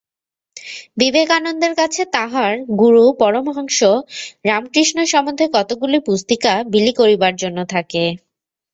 বিবেকানন্দের কাছে তাঁহার গুরু পরমহংস রামকৃষ্ণ সম্বন্ধে কতকগুলি পুস্তিকা বিলি করিবার জন্য থাকে।